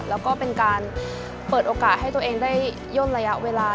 แล้วก็เป็นการเปิดโอกาสให้ตัวเองได้ย่นระยะเวลา